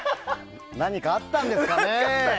何かあったんですかね。